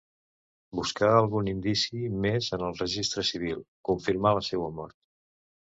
Buscar algun indici més en el registre civil, confirmar la seua mort.